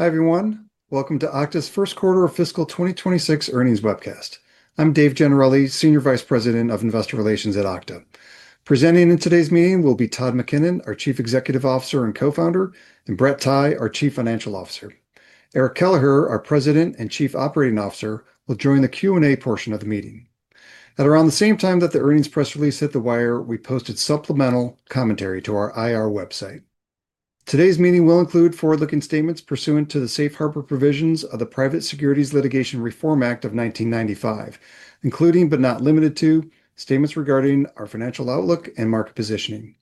Hi everyone, welcome to Okta's First Quarter of Fiscal 2026 Earnings Webcast. I'm Dave Gennarelli, Senior Vice President of Investor Relations at Okta. Presenting in today's meeting will be Todd McKinnon, our Chief Executive Officer and Co-founder, and Brett Tighe, our Chief Financial Officer. Eric Kelleher, our President and Chief Operating Officer, will join the Q&A portion of the meeting. At around the same time that the earnings press release hit the wire, we posted supplemental commentary to our IR website. Today's meeting will include forward-looking statements pursuant to the Safe Harbor Provisions of the Private Securities Litigation Reform Act of 1995, including but not limited to statements regarding our financial outlook and market positioning.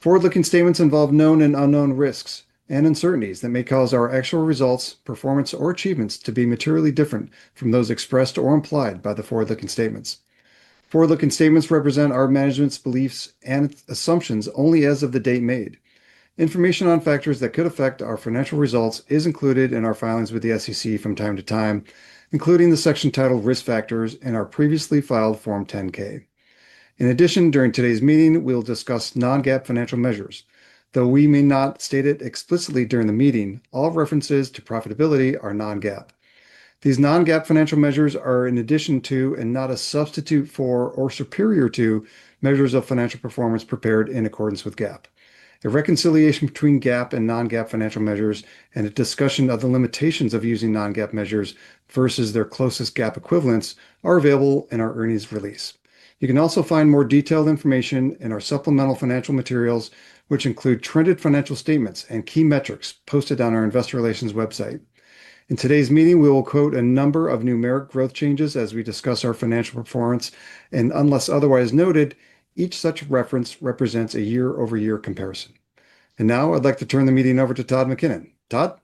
Forward-looking statements involve known and unknown risks and uncertainties that may cause our actual results, performance, or achievements to be materially different from those expressed or implied by the forward-looking statements. Forward-looking statements represent our management's beliefs and assumptions only as of the date made. Information on factors that could affect our financial results is included in our filings with the SEC from time to time, including the section titled Risk Factors in our previously filed Form 10-K. In addition, during today's meeting, we'll discuss non-GAAP financial measures. Though we may not state it explicitly during the meeting, all references to profitability are non-GAAP. These non-GAAP financial measures are in addition to and not a substitute for or superior to measures of financial performance prepared in accordance with GAAP. A reconciliation between GAAP and non-GAAP financial measures and a discussion of the limitations of using non-GAAP measures versus their closest GAAP equivalents are available in our earnings release. You can also find more detailed information in our supplemental financial materials, which include printed financial statements and key metrics posted on our investor relations website. In today's meeting, we will quote a number of numeric growth changes as we discuss our financial performance, and unless otherwise noted, each such reference represents a year-over-year comparison. I would like to turn the meeting over to Todd McKinnon. Todd?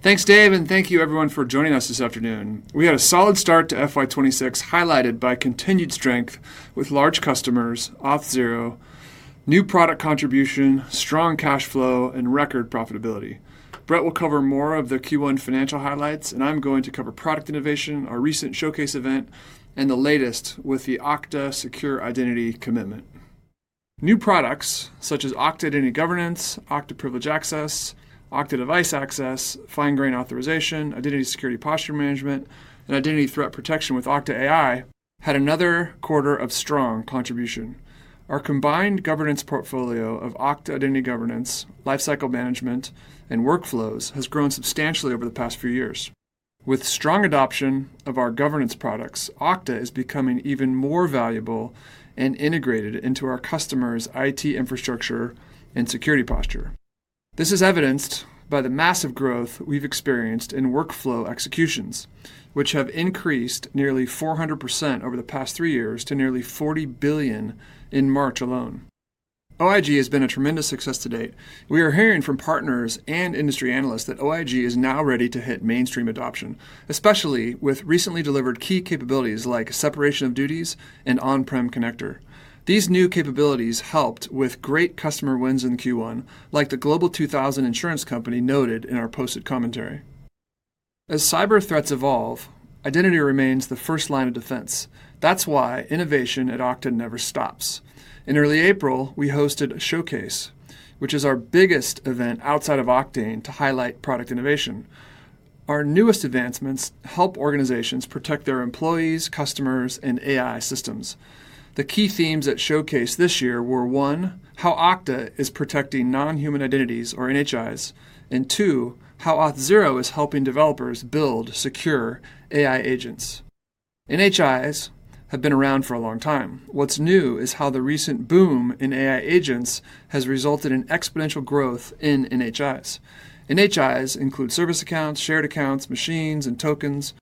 Thanks, Dave, and thank you everyone for joining us this afternoon. We had a solid start to FY2026, highlighted by continued strength with large customers, Auth0, new product contribution, strong cash flow, and record profitability. Brett will cover more of the Q1 financial highlights, and I'm going to cover product innovation, our recent showcase event, and the latest with the Okta Secure Identity Commitment. New products such as Okta Identity Governance, Okta Privileged Access, Okta Device Access, Fine-Grain Authorization, Identity Security Posture Management, and Identity Threat Protection with Okta AI had another quarter of strong contribution. Our combined governance portfolio of Okta Identity Governance, Lifecycle Management, and Workflows has grown substantially over the past few years. With strong adoption of our governance products, Okta is becoming even more valuable and integrated into our customers' IT infrastructure and security posture. This is evidenced by the massive growth we've experienced in workflow executions, which have increased nearly 400% over the past three years to nearly 40 billion in March alone. OIG has been a tremendous success to date. We are hearing from partners and industry analysts that OIG is now ready to hit mainstream adoption, especially with recently delivered key capabilities like separation of duties and on-prem connector. These new capabilities helped with great customer wins in Q1, like the Global 2000 Insurance Company noted in our posted commentary. As cyber threats evolve, identity remains the first line of defense. That's why innovation at Okta never stops. In early April, we hosted a showcase, which is our biggest event outside of Okta to highlight product innovation. Our newest advancements help organizations protect their employees, customers, and AI systems. The key themes at Showcase this year were, one, how Okta is protecting non-human identities, or NHIs, and two, how Auth0 is helping developers build secure AI agents. NHIs have been around for a long time. What is new is how the recent boom in AI agents has resulted in exponential growth in NHIs. NHIs include service accounts, shared accounts, machines, and tokens.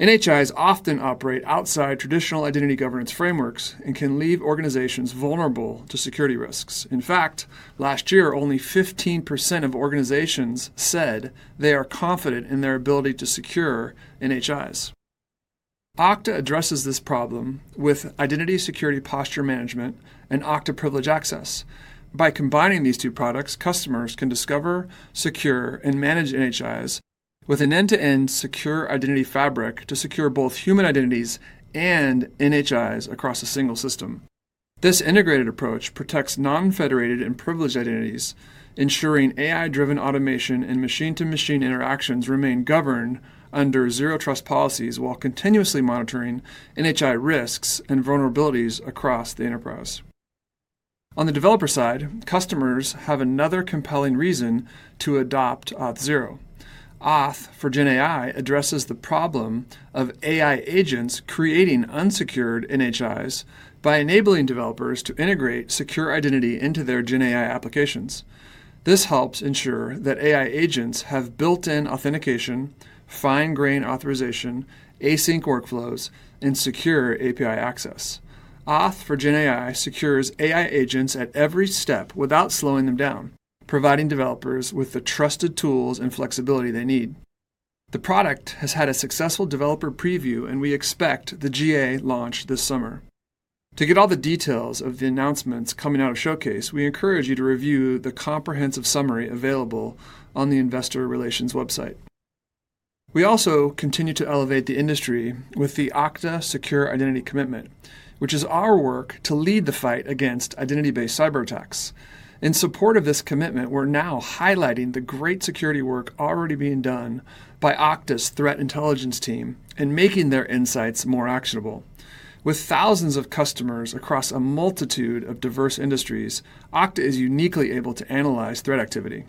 NHIs often operate outside traditional identity governance frameworks and can leave organizations vulnerable to security risks. In fact, last year, only 15% of organizations said they are confident in their ability to secure NHIs. Okta addresses this problem with Identity Security Posture Management and Okta Privileged Access. By combining these two products, customers can discover, secure, and manage NHIs with an end-to-end secure identity fabric to secure both human identities and NHIs across a single system. This integrated approach protects non-federated and privileged identities, ensuring AI-driven automation and machine-to-machine interactions remain governed under zero trust policies while continuously monitoring NHI risks and vulnerabilities across the enterprise. On the developer side, customers have another compelling reason to adopt Auth0. Auth for GenAI addresses the problem of AI agents creating unsecured NHIs by enabling developers to integrate secure identity into their GenAI applications. This helps ensure that AI agents have built-in authentication, fine-grain authorization, async workflows, and secure API access. Auth for GenAI secures AI agents at every step without slowing them down, providing developers with the trusted tools and flexibility they need. The product has had a successful developer preview, and we expect the GA launch this summer. To get all the details of the announcements coming out of Showcase, we encourage you to review the comprehensive summary available on the investor relations website. We also continue to elevate the industry with the Okta Secure Identity Commitment, which is our work to lead the fight against identity-based cyberattacks. In support of this commitment, we're now highlighting the great security work already being done by Okta's threat intelligence team and making their insights more actionable. With thousands of customers across a multitude of diverse industries, Okta is uniquely able to analyze threat activity.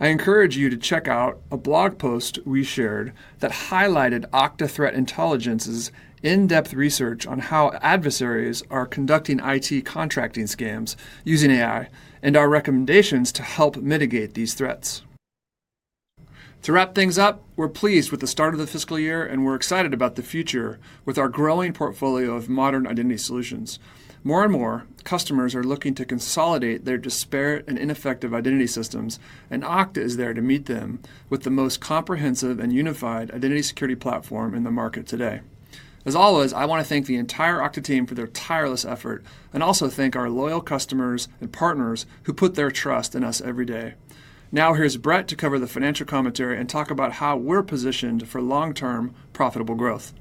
I encourage you to check out a blog post we shared that highlighted Okta Threat Intelligence's in-depth research on how adversaries are conducting IT contracting scams using AI and our recommendations to help mitigate these threats. To wrap things up, we're pleased with the start of the fiscal year, and we're excited about the future with our growing portfolio of modern identity solutions. More and more, customers are looking to consolidate their disparate and ineffective identity systems, and Okta is there to meet them with the most comprehensive and unified identity security platform in the market today. As always, I want to thank the entire Okta team for their tireless effort and also thank our loyal customers and partners who put their trust in us every day. Now here's Brett to cover the financial commentary and talk about how we're positioned for long-term profitable growth.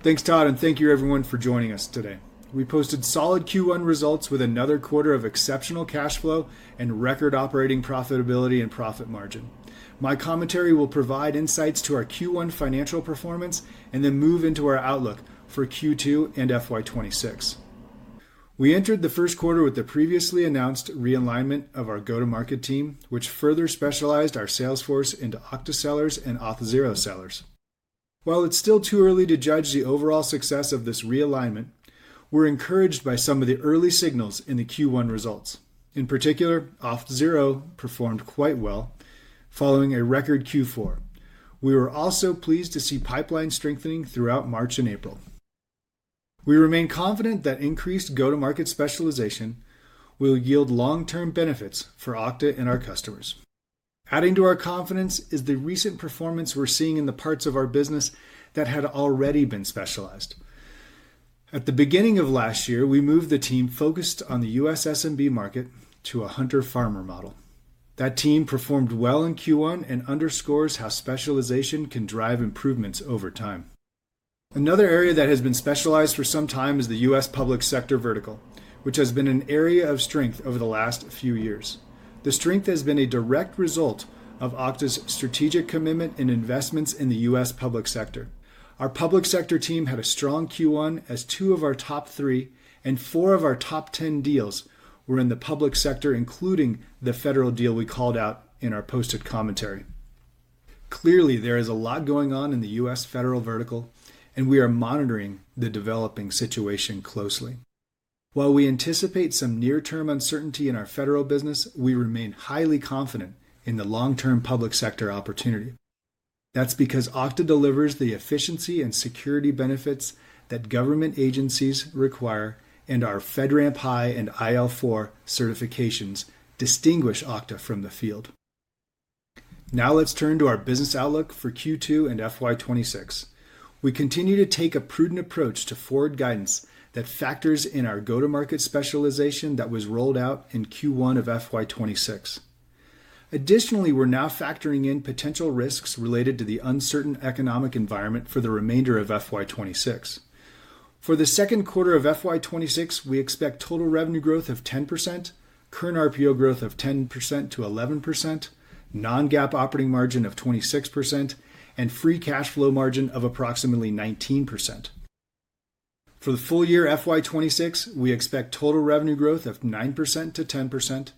Thanks, Todd, and thank you everyone for joining us today. We posted solid Q1 results with another quarter of exceptional cash flow and record operating profitability and profit margin. My commentary will provide insights to our Q1 financial performance and then move into our outlook for Q2 and FY2026. We entered the first quarter with the previously announced realignment of our go-to-market team, which further specialized our salesforce into Okta sellers and Auth0 sellers. While it's still too early to judge the overall success of this realignment, we're encouraged by some of the early signals in the Q1 results. In particular, Auth0 performed quite well following a record Q4. We were also pleased to see pipeline strengthening throughout March and April. We remain confident that increased go-to-market specialization will yield long-term benefits for Okta and our customers. Adding to our confidence is the recent performance we're seeing in the parts of our business that had already been specialized. At the beginning of last year, we moved the team focused on the U.S. S&B market to a hunter-farmer model. That team performed well in Q1 and underscores how specialization can drive improvements over time. Another area that has been specialized for some time is the U.S. public sector vertical, which has been an area of strength over the last few years. The strength has been a direct result of Okta's strategic commitment and investments in the U.S. public sector. Our public sector team had a strong Q1 as two of our top three and four of our top ten deals were in the public sector, including the federal deal we called out in our posted commentary. Clearly, there is a lot going on in the U.S. federal vertical, and we are monitoring the developing situation closely. While we anticipate some near-term uncertainty in our federal business, we remain highly confident in the long-term public sector opportunity. That's because Okta delivers the efficiency and security benefits that government agencies require, and our FedRAMP High and IL4 certifications distinguish Okta from the field. Now let's turn to our business outlook for Q2 and FY26. We continue to take a prudent approach to forward guidance that factors in our go-to-market specialization that was rolled out in Q1 of FY26. Additionally, we're now factoring in potential risks related to the uncertain economic environment for the remainder of FY26. For the second quarter of FY26, we expect total revenue growth of 10%, current RPO growth of 10%-11%, non-GAAP operating margin of 26%, and free cash flow margin of approximately 19%. For the full year FY26, we expect total revenue growth of 9%-10%,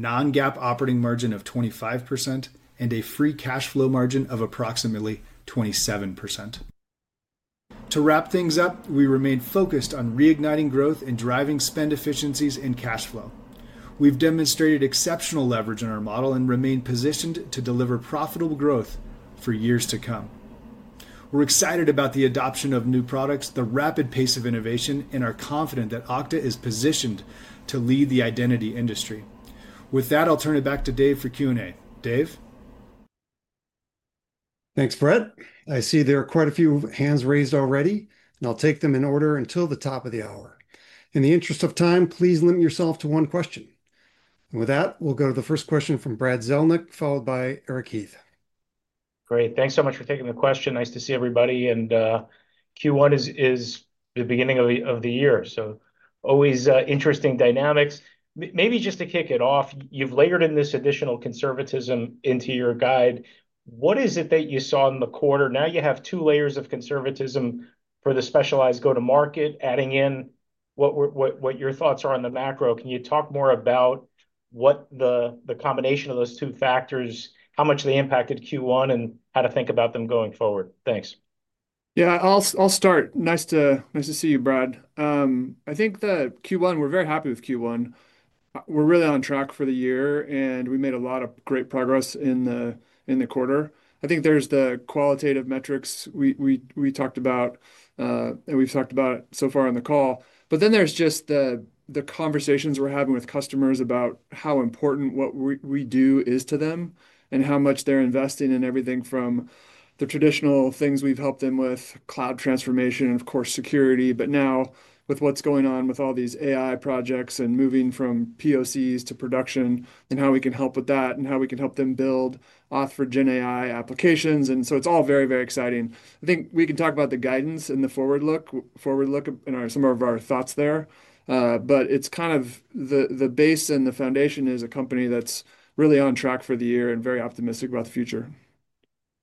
non-GAAP operating margin of 25%, and a free cash flow margin of approximately 27%. To wrap things up, we remain focused on reigniting growth and driving spend efficiencies and cash flow. We've demonstrated exceptional leverage in our model and remain positioned to deliver profitable growth for years to come. We're excited about the adoption of new products, the rapid pace of innovation, and are confident that Okta is positioned to lead the identity industry. With that, I'll turn it back to Dave for Q&A. Dave? Thanks, Brett. I see there are quite a few hands raised already, and I'll take them in order until the top of the hour. In the interest of time, please limit yourself to one question. With that, we'll go to the first question from Brad Zelnick, followed by Eric Keith. Great. Thanks so much for taking the question. Nice to see everybody. Q1 is the beginning of the year, so always interesting dynamics. Maybe just to kick it off, you've layered in this additional conservatism into your guide. What is it that you saw in the quarter? Now you have two layers of conservatism for the specialized go-to-market, adding in what your thoughts are on the macro. Can you talk more about what the combination of those two factors, how much they impacted Q1, and how to think about them going forward? Thanks. Yeah, I'll start. Nice to see you, Brad. I think the Q1, we're very happy with Q1. We're really on track for the year, and we made a lot of great progress in the quarter. I think there's the qualitative metrics we talked about, and we've talked about it so far on the call. There are just the conversations we're having with customers about how important what we do is to them and how much they're investing in everything from the traditional things we've helped them with, cloud transformation, and of course, security. Now with what's going on with all these AI projects and moving from POCs to production and how we can help with that and how we can help them build auth for GenAI applications. It is all very, very exciting. I think we can talk about the guidance and the forward look and some of our thoughts there. It is kind of the base and the foundation is a company that's really on track for the year and very optimistic about the future.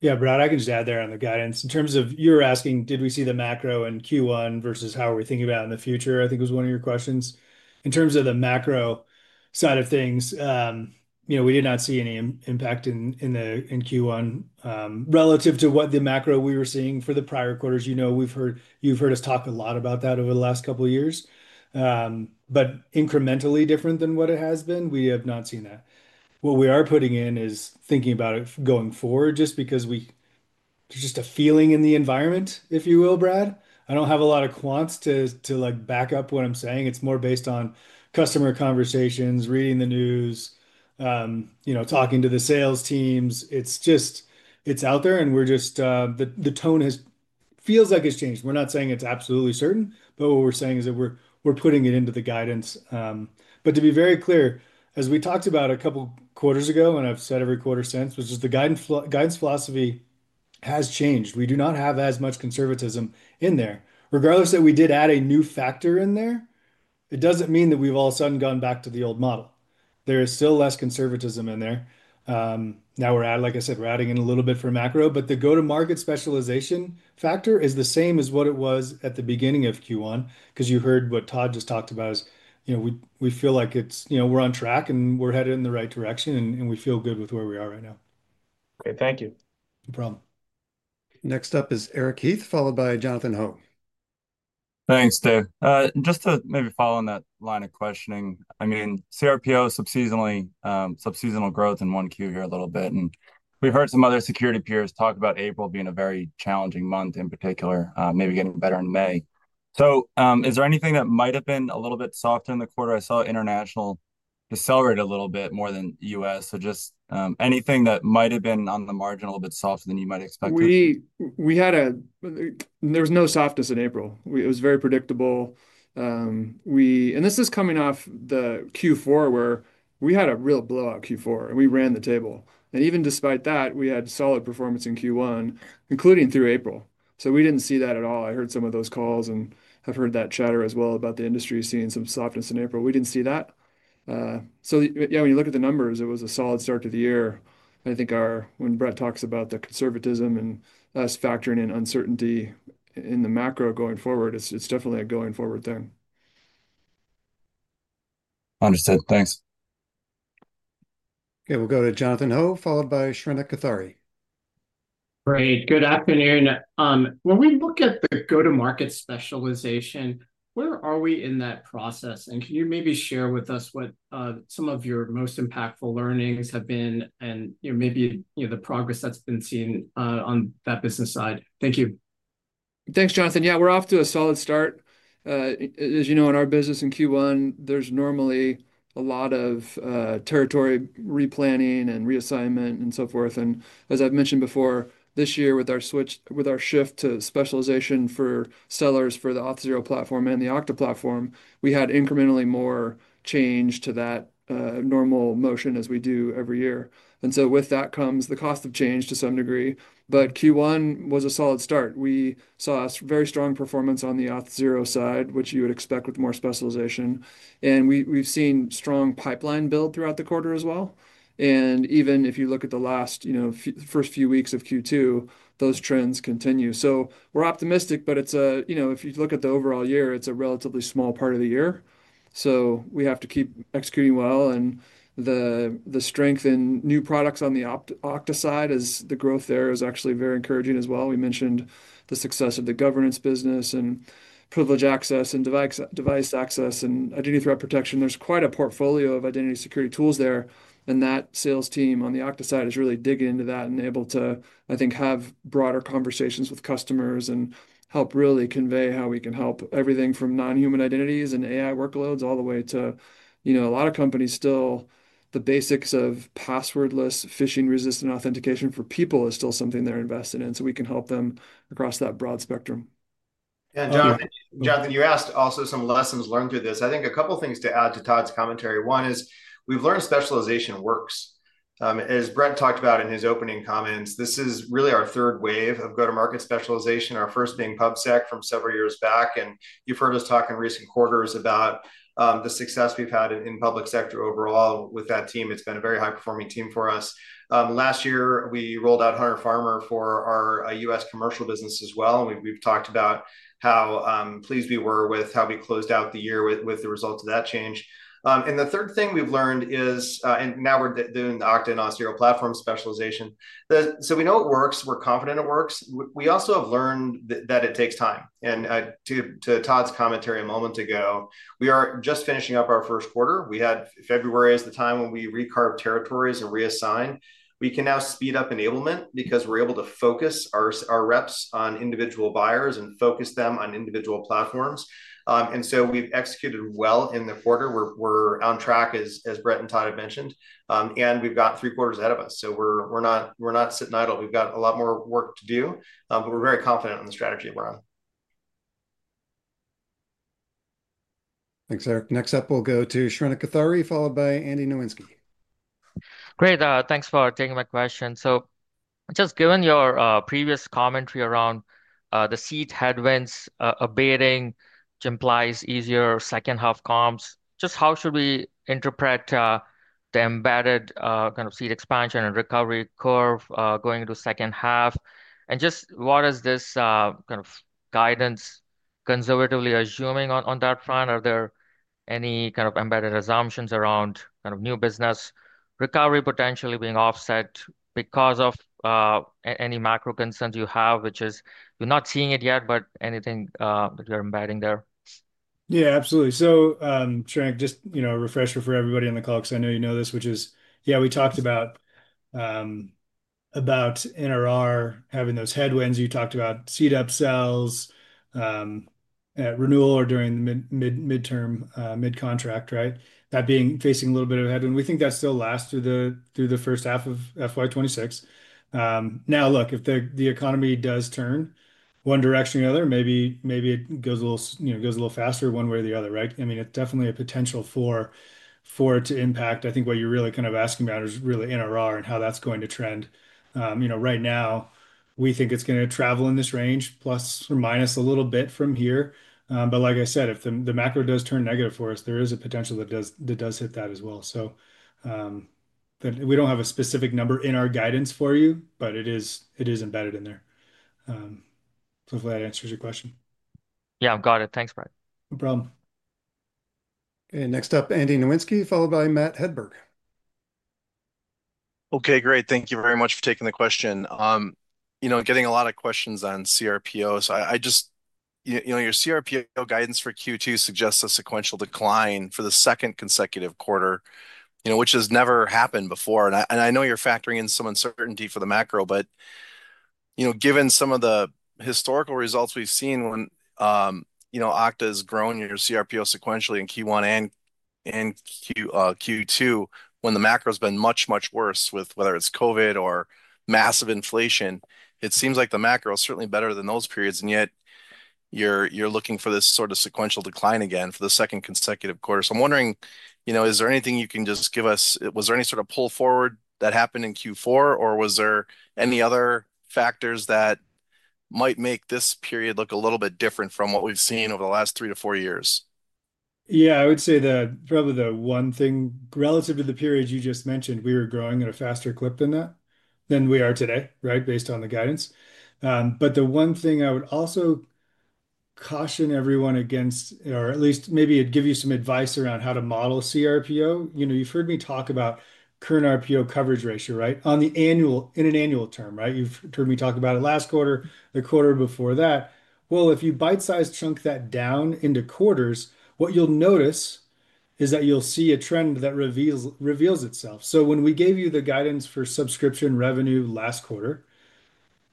Yeah, Brad, I can just add there on the guidance. In terms of you were asking, did we see the macro in Q1 versus how are we thinking about it in the future? I think it was one of your questions. In terms of the macro side of things, we did not see any impact in Q1 relative to what the macro we were seeing for the prior quarters. You've heard us talk a lot about that over the last couple of years, but incrementally different than what it has been. We have not seen that. What we are putting in is thinking about it going forward just because there's just a feeling in the environment, if you will, Brett. I do not have a lot of quants to back up what I'm saying. It's more based on customer conversations, reading the news, talking to the sales teams. It's out there, and the tone feels like it's changed. We're not saying it's absolutely certain, but what we're saying is that we're putting it into the guidance. To be very clear, as we talked about a couple of quarters ago, and I've said every quarter since, the guidance philosophy has changed. We do not have as much conservatism in there. Regardless that we did add a new factor in there, it doesn't mean that we've all of a sudden gone back to the old model. There is still less conservatism in there. Now, like I said, we're adding in a little bit for macro, but the go-to-market specialization factor is the same as what it was at the beginning of Q1 because you heard what Todd just talked about. We feel like we're on track and we're headed in the right direction, and we feel good with where we are right now. Great. Thank you. No problem. Next up is Eric Keith, followed by Jonathan Ho. Thanks, Dave. Just to maybe follow on that line of questioning, I mean, subseasonal growth in one Q here a little bit. And we've heard some other security peers talk about April being a very challenging month in particular, maybe getting better in May. Is there anything that might have been a little bit softer in the quarter? I saw international accelerate a little bit more than U.S. Just anything that might have been on the margin a little bit softer than you might expect? There was no softness in April. It was very predictable. This is coming off the Q4 where we had a real blowout Q4, and we ran the table. Even despite that, we had solid performance in Q1, including through April. We did not see that at all. I heard some of those calls and have heard that chatter as well about the industry seeing some softness in April. We did not see that. When you look at the numbers, it was a solid start to the year. I think when Brett talks about the conservatism and us factoring in uncertainty in the macro going forward, it is definitely a going forward thing. Understood. Thanks. Okay. We'll go to Jonathan Ho, followed by Srinath Kuthi. Great. Good afternoon. When we look at the go-to-market specialization, where are we in that process? Can you maybe share with us what some of your most impactful learnings have been and maybe the progress that's been seen on that business side? Thank you. Thanks, Jonathan. Yeah, we're off to a solid start. As you know, in our business in Q1, there's normally a lot of territory replanning and reassignment and so forth. As I've mentioned before, this year with our shift to specialization for sellers for the Auth0 platform and the Okta platform, we had incrementally more change to that normal motion as we do every year. With that comes the cost of change to some degree. Q1 was a solid start. We saw very strong performance on the Auth0 side, which you would expect with more specialization. We've seen strong pipeline build throughout the quarter as well. Even if you look at the last first few weeks of Q2, those trends continue. We're optimistic, but if you look at the overall year, it's a relatively small part of the year. We have to keep executing well. The strength in new products on the Okta side is the growth there is actually very encouraging as well. We mentioned the success of the governance business and Privileged Access and device access and identity threat protection. There is quite a portfolio of identity security tools there. That sales team on the Okta side is really digging into that and able to, I think, have broader conversations with customers and help really convey how we can help everything from non-human identities and AI workloads all the way to a lot of companies, still the basics of passwordless phishing-resistant authentication for people is still something they are invested in. We can help them across that broad spectrum. Yeah. Jonathan, you asked also some lessons learned through this. I think a couple of things to add to Todd's commentary. One is we've learned specialization works. As Brett talked about in his opening comments, this is really our third wave of go-to-market specialization, our first being Pub/Sec from several years back. You've heard us talk in recent quarters about the success we've had in public sector overall with that team. It's been a very high-performing team for us. Last year, we rolled out Hunter Farmer for our US commercial business as well. We've talked about how pleased we were with how we closed out the year with the results of that change. The third thing we've learned is, and now we're doing the Okta and Auth0 platform specialization. We know it works. We're confident it works. We also have learned that it takes time. To Todd's commentary a moment ago, we are just finishing up our first quarter. We had February as the time when we recarved territories and reassigned. We can now speed up enablement because we're able to focus our reps on individual buyers and focus them on individual platforms. We have executed well in the quarter. We're on track, as Brett and Todd have mentioned. We have three quarters ahead of us. We're not sitting idle. We have a lot more work to do, but we're very confident on the strategy we're on. Thanks, Eric. Next up, we'll go to Srinath Kuthi, followed by Andy Nowinski. Great. Thanks for taking my question. Just given your previous commentary around the seat headwinds abating, which implies easier second-half comps, just how should we interpret the embedded kind of seat expansion and recovery curve going into second half? Just what is this kind of guidance conservatively assuming on that front? Are there any kind of embedded assumptions around kind of new business recovery potentially being offset because of any macro concerns you have, which is you're not seeing it yet, but anything that you're embedding there? Yeah, absolutely. So Srinath, just a refresher for everybody on the call, because I know you know this, which is, yeah, we talked about NRR having those headwinds. You talked about seat up-sells at renewal or during the midterm, mid-contract, right? That being, facing a little bit of a headwind. We think that still lasts through the first half of FY26. Now, look, if the economy does turn one direction or the other, maybe it goes a little faster one way or the other, right? I mean, it's definitely a potential for it to impact. I think what you're really kind of asking about is really NRR and how that's going to trend. Right now, we think it's going to travel in this range, plus or minus a little bit from here. Like I said, if the macro does turn negative for us, there is a potential that does hit that as well. We do not have a specific number in our guidance for you, but it is embedded in there. Hopefully, that answers your question. Yeah, I've got it. Thanks, Brett. No problem. Okay. Next up, Andy Nowinski, followed by Matt Hedberg. Okay, great. Thank you very much for taking the question. Getting a lot of questions on cRPO. Your cRPO guidance for Q2 suggests a sequential decline for the second consecutive quarter, which has never happened before. I know you're factoring in some uncertainty for the macro, but given some of the historical results we've seen when Okta has grown your cRPO sequentially in Q1 and Q2, when the macro has been much, much worse with whether it's COVID or massive inflation, it seems like the macro is certainly better than those periods. Yet you're looking for this sort of sequential decline again for the second consecutive quarter. I'm wondering, is there anything you can just give us? Was there any sort of pull forward that happened in Q4, or were there any other factors that might make this period look a little bit different from what we've seen over the last three to four years? Yeah, I would say probably the one thing relative to the periods you just mentioned, we were growing at a faster clip than we are today, right, based on the guidance. The one thing I would also caution everyone against, or at least maybe give you some advice around how to model cRPO, you've heard me talk about current RPO coverage ratio, right, in an annual term, right? You've heard me talk about it last quarter, the quarter before that. If you bite-size chunk that down into quarters, what you'll notice is that you'll see a trend that reveals itself. When we gave you the guidance for subscription revenue last quarter,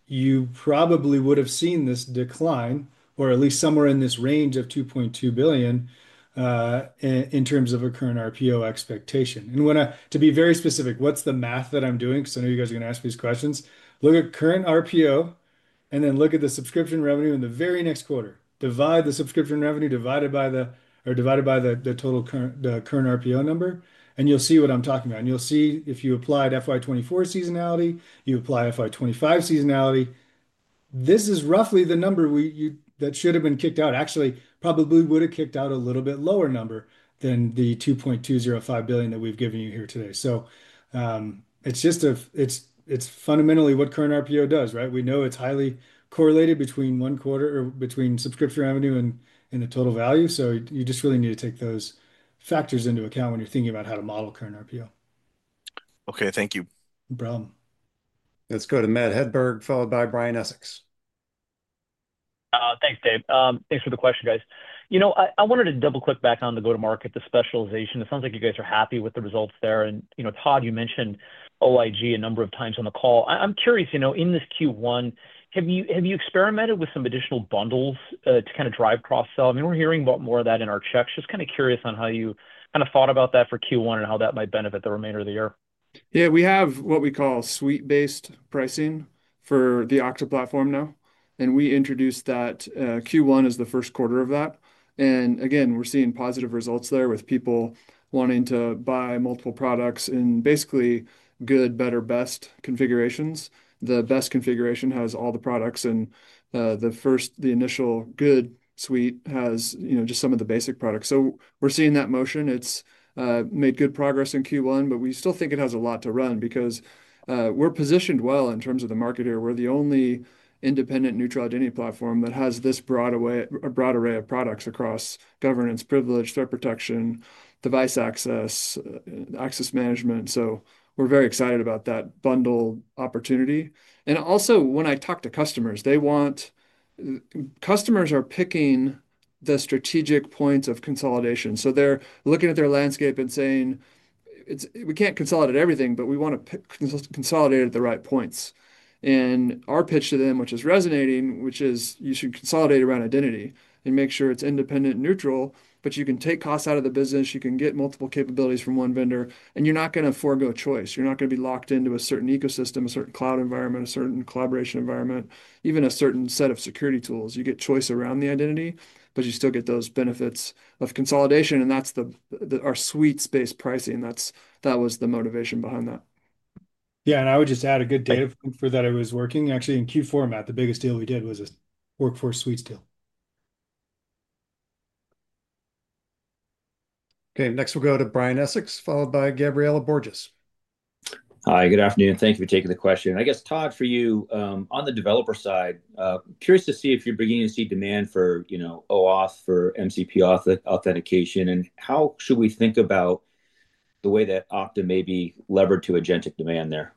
you probably would have seen this decline, or at least somewhere in this range of $2.2 billion in terms of a current RPO expectation. To be very specific, what's the math that I'm doing? Because I know you guys are going to ask these questions. Look at current RPO, and then look at the subscription revenue in the very next quarter. Divide the subscription revenue by the total current RPO number, and you'll see what I'm talking about. You'll see if you applied FY24 seasonality, you apply FY25 seasonality, this is roughly the number that should have been kicked out. Actually, probably would have kicked out a little bit lower number than the $2.205 billion that we've given you here today. It is fundamentally what current RPO does, right? We know it's highly correlated between one quarter or between subscription revenue and the total value. You just really need to take those factors into account when you're thinking about how to model current RPO. Okay. Thank you. No problem. Let's go to Matt Hedberg, followed by Brian Essex. Thanks, Dave. Thanks for the question, guys. You know, I wanted to double-click back on the go-to-market, the specialization. It sounds like you guys are happy with the results there. And Todd, you mentioned OIG a number of times on the call. I'm curious, in this Q1, have you experimented with some additional bundles to kind of drive cross-sell? I mean, we're hearing about more of that in our checks. Just kind of curious on how you kind of thought about that for Q1 and how that might benefit the remainder of the year. Yeah, we have what we call suite-based pricing for the Okta platform now. We introduced that Q1 as the first quarter of that. Again, we're seeing positive results there with people wanting to buy multiple products in basically good, better, best configurations. The best configuration has all the products, and the initial good suite has just some of the basic products. We're seeing that motion. It's made good progress in Q1, but we still think it has a lot to run because we're positioned well in terms of the market here. We're the only independent neutral identity platform that has this broad array of products across governance, Privilege Threat Protection, Device Access, Access Management. We're very excited about that bundle opportunity. Also, when I talk to customers, customers are picking the strategic points of consolidation. They're looking at their landscape and saying, "We can't consolidate everything, but we want to consolidate at the right points." Our pitch to them, which is resonating, is you should consolidate around identity and make sure it's independent and neutral, but you can take costs out of the business, you can get multiple capabilities from one vendor, and you're not going to forgo choice. You're not going to be locked into a certain ecosystem, a certain cloud environment, a certain collaboration environment, even a certain set of security tools. You get choice around the identity, but you still get those benefits of consolidation. That's our suite-based pricing. That was the motivation behind that. Yeah, I would just add a good data point for that. It was working. Actually, in Q4, Matt, the biggest deal we did was a workforce suite deal. Okay. Next, we'll go to Brian Essex, followed by Gabriella Borges. Hi, good afternoon. Thank you for taking the question. I guess, Todd, for you on the developer side, curious to see if you're beginning to see demand for OAuth, for MCP authentication, and how should we think about the way that Okta may be levered to agentic demand there?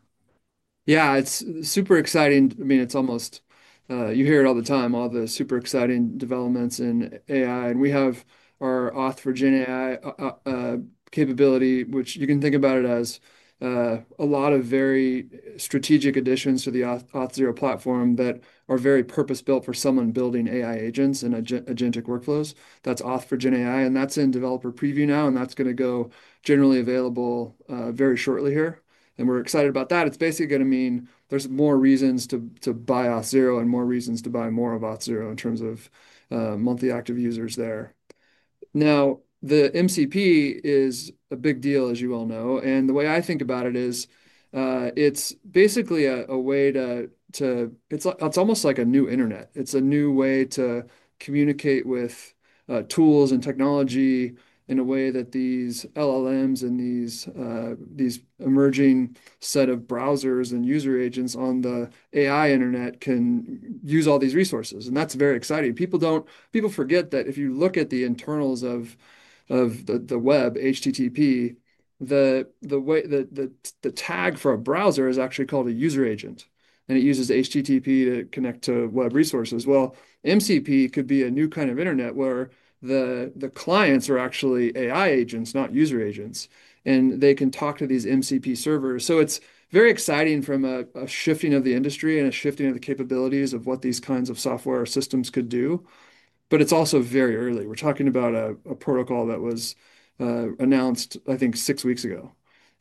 Yeah, it's super exciting. I mean, you hear it all the time, all the super exciting developments in AI. And we have our Auth for GenAI capability, which you can think about it as a lot of very strategic additions to the Auth0 platform that are very purpose-built for someone building AI agents and agentic workflows. That's Auth for GenAI. And that's in developer preview now, and that's going to go generally available very shortly here. And we're excited about that. It's basically going to mean there's more reasons to buy Auth0 and more reasons to buy more of Auth0 in terms of monthly active users there. Now, the MCP is a big deal, as you all know. And the way I think about it is it's basically a way to--it's almost like a new internet. It's a new way to communicate with tools and technology in a way that these LLMs and these emerging set of browsers and user agents on the AI internet can use all these resources. That's very exciting. People forget that if you look at the internals of the web, HTTP, the tag for a browser is actually called a user agent. It uses HTTP to connect to web resources. MCP could be a new kind of internet where the clients are actually AI agents, not user agents. They can talk to these MCP servers. It's very exciting from a shifting of the industry and a shifting of the capabilities of what these kinds of software systems could do. It's also very early. We're talking about a protocol that was announced, I think, six weeks ago.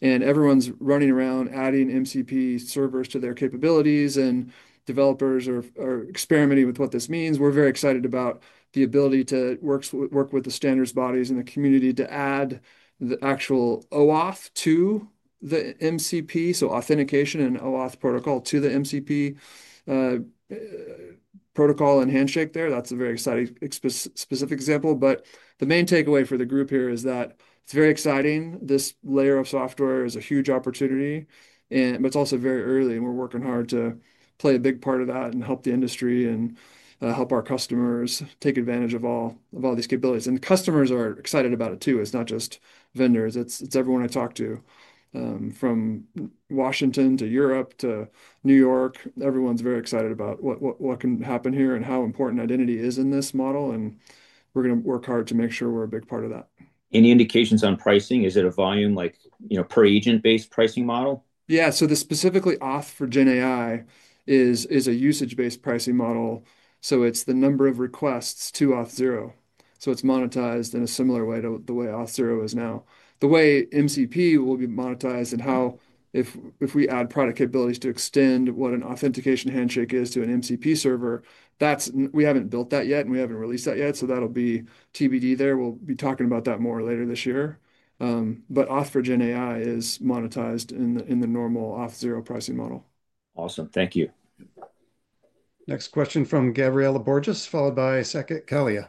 Everyone's running around adding MCP servers to their capabilities, and developers are experimenting with what this means. We're very excited about the ability to work with the standards bodies and the community to add the actual OAuth to the MCP, so authentication and OAuth protocol to the MCP protocol and handshake there. That is a very exciting specific example. The main takeaway for the group here is that it's very exciting. This layer of software is a huge opportunity, but it's also very early. We're working hard to play a big part of that and help the industry and help our customers take advantage of all these capabilities. Customers are excited about it too. It's not just vendors. It's everyone I talk to, from Washington, D.C. to Europe to New York. Everyone's very excited about what can happen here and how important identity is in this model. We're going to work hard to make sure we're a big part of that. Any indications on pricing? Is it a volume per agent-based pricing model? Yeah. So specifically, Auth for GenAI is a usage-based pricing model. So it's the number of requests to Auth0. So it's monetized in a similar way to the way Auth0 is now. The way MCP will be monetized and how, if we add product capabilities to extend what an authentication handshake is to an MCP server, we haven't built that yet, and we haven't released that yet. That'll be TBD there. We'll be talking about that more later this year. Auth for GenAI is monetized in the normal Auth0 pricing model. Awesome. Thank you. Next question from Gabriella Borges, followed by Seckett Kelly.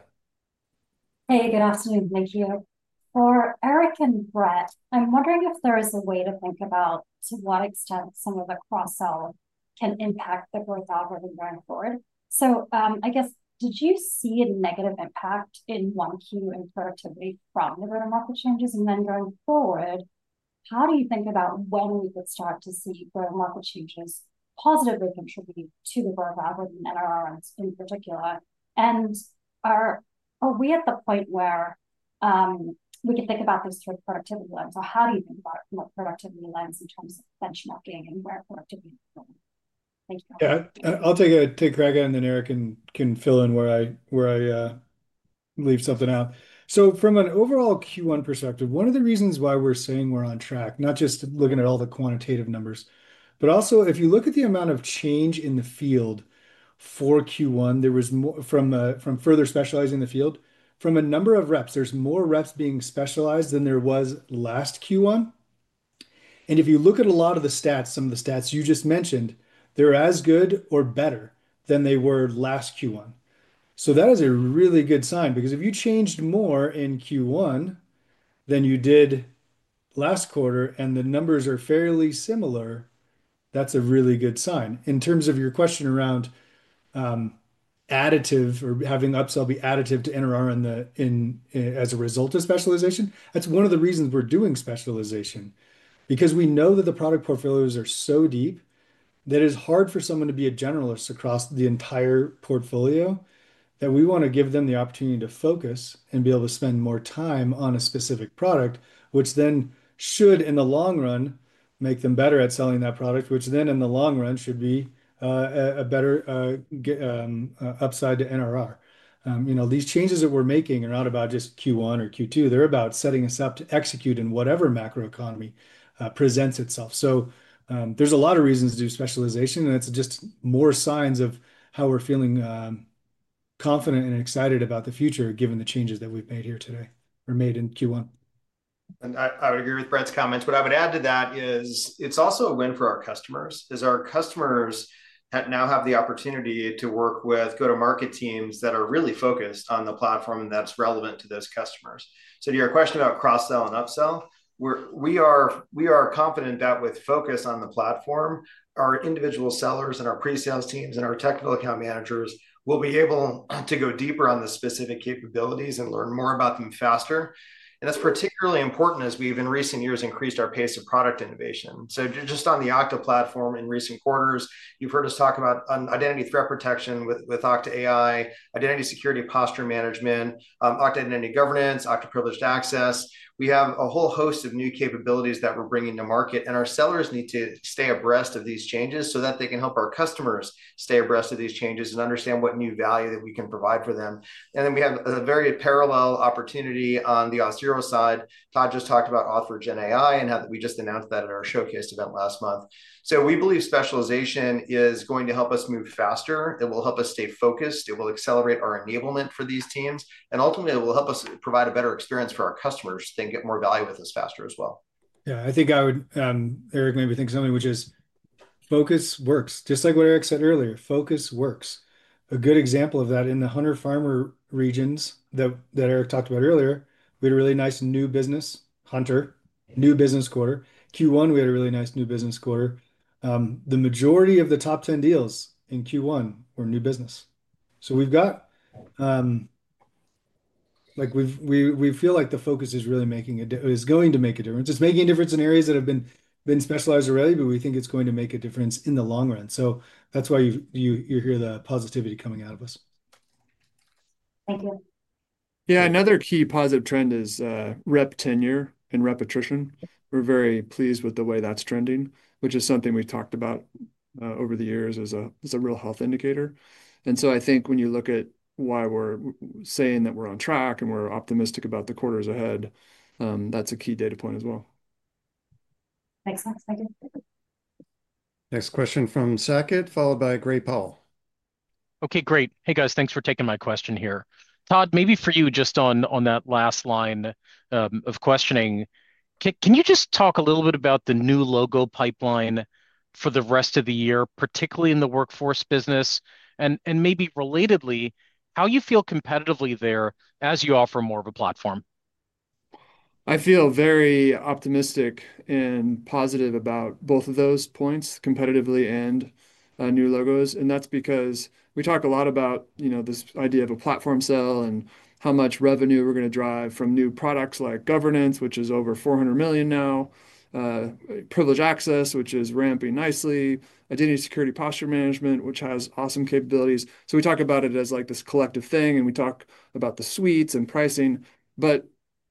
Hey, good afternoon. Thank you. For Eric and Brett, I'm wondering if there is a way to think about to what extent some of the cross-sell can impact the growth algorithm going forward. I guess, did you see a negative impact in one queue in productivity from the growth market changes? Going forward, how do you think about when we could start to see growth market changes positively contributing to the growth algorithm and NRRs in particular? Are we at the point where we could think about this through a productivity lens? How do you think about it from a productivity lens in terms of benchmarking and where productivity is going? Thank you. Yeah. I'll take a crack and then Eric can fill in where I leave something out. From an overall Q1 perspective, one of the reasons why we're saying we're on track, not just looking at all the quantitative numbers, but also if you look at the amount of change in the field for Q1, there was from further specializing in the field, from a number of reps, there's more reps being specialized than there was last Q1. If you look at a lot of the stats, some of the stats you just mentioned, they're as good or better than they were last Q1. That is a really good sign because if you changed more in Q1 than you did last quarter and the numbers are fairly similar, that's a really good sign. In terms of your question around additive or having upsell be additive to NRR as a result of specialization, that's one of the reasons we're doing specialization because we know that the product portfolios are so deep that it is hard for someone to be a generalist across the entire portfolio, that we want to give them the opportunity to focus and be able to spend more time on a specific product, which then should, in the long run, make them better at selling that product, which then, in the long run, should be a better upside to NRR. These changes that we're making are not about just Q1 or Q2. They're about setting us up to execute in whatever macroeconomy presents itself. There are a lot of reasons to do specialization, and it's just more signs of how we're feeling confident and excited about the future given the changes that we've made here today or made in Q1. I would agree with Brett's comments. What I would add to that is it's also a win for our customers because our customers now have the opportunity to work with go-to-market teams that are really focused on the platform that's relevant to those customers. To your question about cross-sell and upsell, we are confident that with focus on the platform, our individual sellers and our pre-sales teams and our technical account managers will be able to go deeper on the specific capabilities and learn more about them faster. That is particularly important as we've, in recent years, increased our pace of product innovation. Just on the Okta platform in recent quarters, you've heard us talk about Identity Threat Protection with Okta AI, Identity Security Posture Management, Okta Identity Governance, Okta Privileged Access. We have a whole host of new capabilities that we're bringing to market. Our sellers need to stay abreast of these changes so that they can help our customers stay abreast of these changes and understand what new value that we can provide for them. We have a very parallel opportunity on the Auth0 side. Todd just talked about Auth for GenAI and how we just announced that at our showcase event last month. We believe specialization is going to help us move faster. It will help us stay focused. It will accelerate our enablement for these teams. Ultimately, it will help us provide a better experience for our customers to then get more value with us faster as well. Yeah. I think I would, Eric, maybe think of something which is focus works. Just like what Eric said earlier, focus works. A good example of that in the Hunter-Farmer regions that Eric talked about earlier, we had a really nice new business, Hunter, new business quarter. Q1, we had a really nice new business quarter. The majority of the top 10 deals in Q1 were new business. We feel like the focus is really making a is going to make a difference. It is making a difference in areas that have been specialized already, but we think it is going to make a difference in the long run. That is why you hear the positivity coming out of us. Thank you. Yeah. Another key positive trend is rep tenure and rep attrition. We're very pleased with the way that's trending, which is something we've talked about over the years as a real health indicator. I think when you look at why we're saying that we're on track and we're optimistic about the quarters ahead, that's a key data point as well. Thanks. Next question from Shaul Eyal, followed by Gray Powell. Okay. Great. Hey, guys, thanks for taking my question here. Todd, maybe for you, just on that last line of questioning, can you just talk a little bit about the new logo pipeline for the rest of the year, particularly in the workforce business? And maybe relatedly, how you feel competitively there as you offer more of a platform? I feel very optimistic and positive about both of those points, competitively and new logos. That is because we talk a lot about this idea of a platform sale and how much revenue we're going to drive from new products like governance, which is over $400 million now, Privileged Access, which is ramping nicely, identity security posture management, which has awesome capabilities. We talk about it as this collective thing, and we talk about the suites and pricing.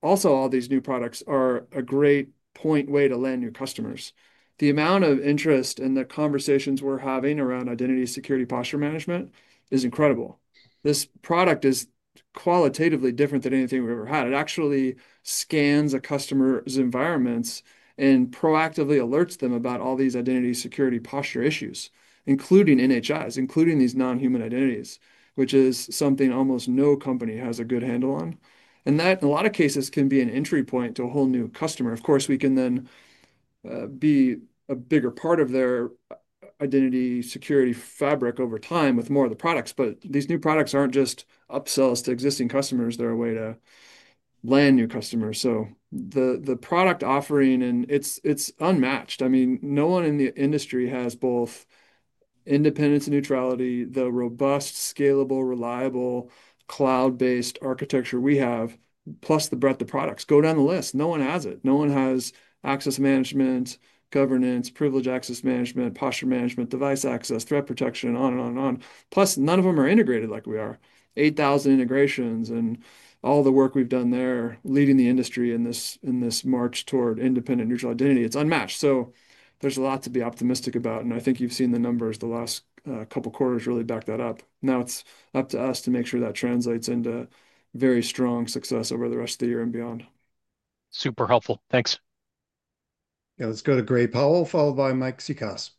Also, all these new products are a great point way to land new customers. The amount of interest in the conversations we're having around identity security posture management is incredible. This product is qualitatively different than anything we've ever had. It actually scans a customer's environments and proactively alerts them about all these identity security posture issues, including NHIs, including these non-human identities, which is something almost no company has a good handle on. In a lot of cases, that can be an entry point to a whole new customer. Of course, we can then be a bigger part of their identity security fabric over time with more of the products. These new products are not just upsells to existing customers. They are a way to land new customers. The product offering, and it is unmatched. I mean, no one in the industry has both independence and neutrality, the robust, scalable, reliable cloud-based architecture we have, plus the breadth of products. Go down the list. No one has it. No one has access management, governance, Privilege Access Management, Posture Management, Device Access, Threat Protection, on and on and on. Plus, none of them are integrated like we are. 8,000 integrations and all the work we've done there leading the industry in this march toward independent neutral identity. It's unmatched. There is a lot to be optimistic about. I think you've seen the numbers the last couple of quarters really back that up. Now it's up to us to make sure that translates into very strong success over the rest of the year and beyond. Super helpful. Thanks. Yeah. Let's go to Gray Powell, followed by Mike Cikos.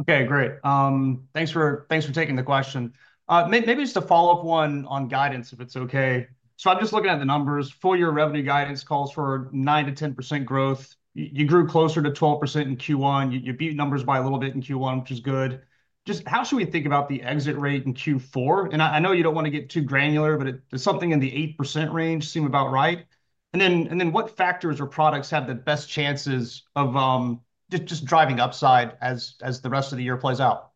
Okay. Great. Thanks for taking the question. Maybe just a follow-up one on guidance, if it's okay. So I'm just looking at the numbers. Four-year revenue guidance calls for 9-10% growth. You grew closer to 12% in Q1. You beat numbers by a little bit in Q1, which is good. Just how should we think about the exit rate in Q4? I know you don't want to get too granular, but something in the 8% range seemed about right. What factors or products have the best chances of just driving upside as the rest of the year plays out?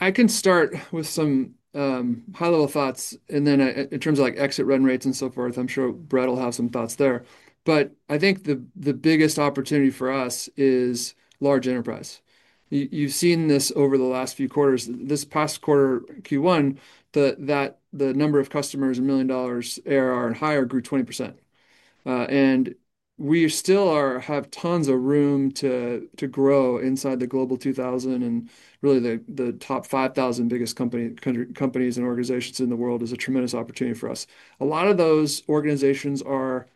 I can start with some high-level thoughts. In terms of exit run rates and so forth, I'm sure Brett will have some thoughts there. I think the biggest opportunity for us is large enterprise. You've seen this over the last few quarters. This past quarter, Q1, the number of customers at $1 million ARR and higher grew 20%. We still have tons of room to grow inside the Global 2000. Really, the top 5,000 biggest companies and organizations in the world is a tremendous opportunity for us. A lot of those organizations have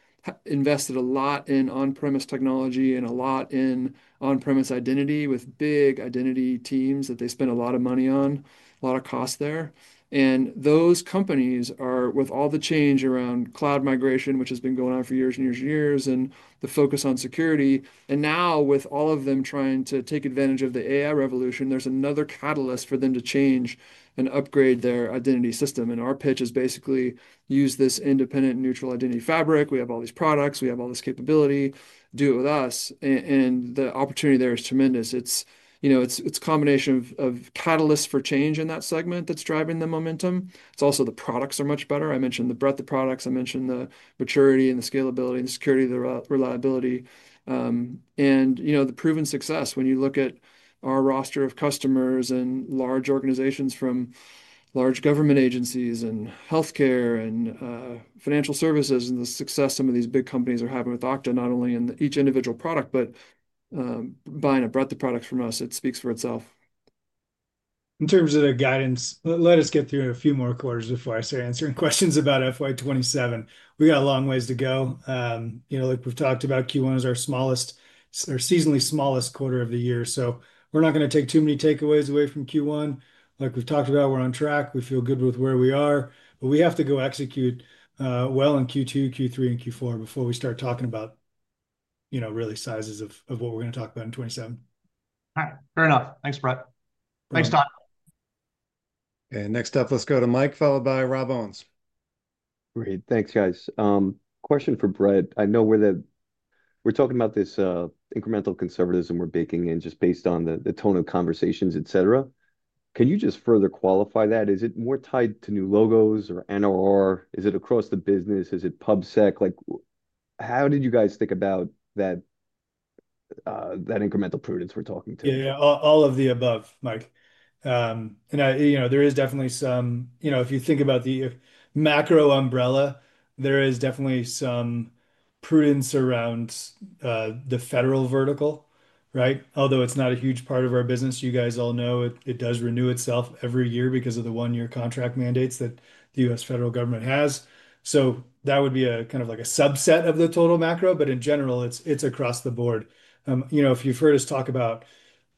invested a lot in on-premise technology and a lot in on-premise identity with big identity teams that they spend a lot of money on, a lot of cost there. Those companies are, with all the change around cloud migration, which has been going on for years and years and years, and the focus on security. Now, with all of them trying to take advantage of the AI revolution, there's another catalyst for them to change and upgrade their identity system. Our pitch is basically, use this independent neutral identity fabric. We have all these products. We have all this capability. Do it with us. The opportunity there is tremendous. It's a combination of catalysts for change in that segment that's driving the momentum. It's also the products are much better. I mentioned the breadth of products. I mentioned the maturity and the scalability and security, the reliability, and the proven success. When you look at our roster of customers and large organizations from large government agencies and healthcare and financial services and the success some of these big companies are having with Okta, not only in each individual product, but buying a breadth of products from us, it speaks for itself. In terms of their guidance, let us get through a few more quarters before I start answering questions about FY27. We got a long ways to go. Like we've talked about, Q1 is our seasonally smallest quarter of the year. We're not going to take too many takeaways away from Q1. Like we've talked about, we're on track. We feel good with where we are. We have to go execute well in Q2, Q3, and Q4 before we start talking about really sizes of what we're going to talk about in 2027. All right. Fair enough. Thanks, Brett. Thanks, Todd. Next up, let's go to Mike, followed by Rob Owens. Great. Thanks, guys. Question for Brett. I know we're talking about this incremental conservatism we're baking in just based on the tone of conversations, et cetera. Can you just further qualify that? Is it more tied to new logos or NRR? Is it across the business? Is it PubSec? How did you guys think about that incremental prudence we're talking to? Yeah. All of the above, Mike. There is definitely some, if you think about the macro umbrella, there is definitely some prudence around the federal vertical, right? Although it is not a huge part of our business, you guys all know it does renew itself every year because of the one-year contract mandates that the U.S. Federal Government has. That would be kind of like a subset of the total macro. In general, it is across the board. If you have heard us talk about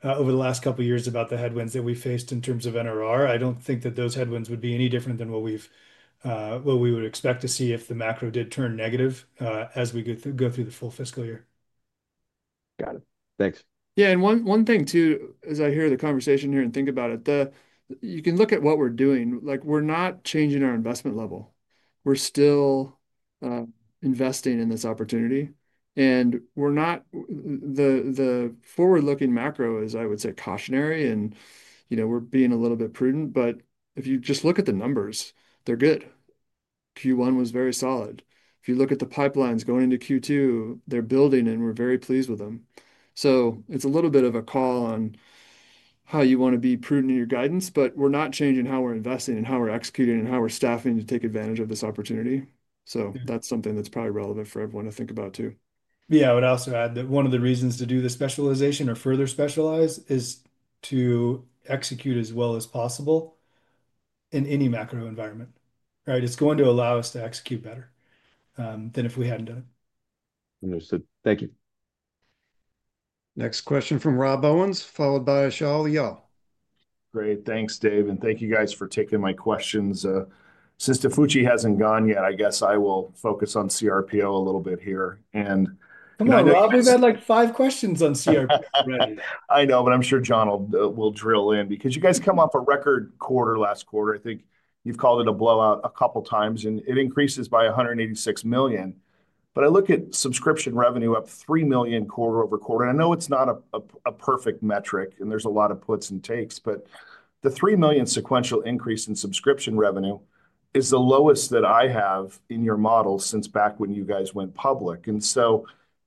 over the last couple of years about the headwinds that we faced in terms of NRR, I do not think that those headwinds would be any different than what we would expect to see if the macro did turn negative as we go through the full fiscal year. Got it. Thanks. Yeah. And one thing too, as I hear the conversation here and think about it, you can look at what we're doing. We're not changing our investment level. We're still investing in this opportunity. The forward-looking macro is, I would say, cautionary. We're being a little bit prudent. If you just look at the numbers, they're good. Q1 was very solid. If you look at the pipelines going into Q2, they're building, and we're very pleased with them. It's a little bit of a call on how you want to be prudent in your guidance. We're not changing how we're investing and how we're executing and how we're staffing to take advantage of this opportunity. That's something that's probably relevant for everyone to think about too. Yeah. I would also add that one of the reasons to do the specialization or further specialize is to execute as well as possible in any macro environment, right? It's going to allow us to execute better than if we hadn't done it. Understood. Thank you. Next question from Rob Owens, followed by Shaul Eyal. Great. Thanks, Dave. And thank you, guys, for taking my questions. Since Tafucci hasn't gone yet, I guess I will focus on cRPO a little bit here. Come on, Rob. We've had like five questions on cRPO already. I know, but I'm sure John will drill in because you guys come off a record quarter last quarter. I think you've called it a blowout a couple of times. It increases by $186 million. I look at subscription revenue up $3 million quarter over quarter. I know it's not a perfect metric, and there's a lot of puts and takes. The $3 million sequential increase in subscription revenue is the lowest that I have in your model since back when you guys went public.